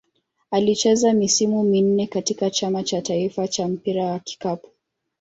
Alicheza misimu minne katika Chama cha taifa cha mpira wa kikapu.